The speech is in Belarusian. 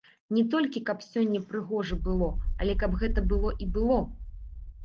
Не толькі каб сёння прыгожа было, але каб гэта было і было!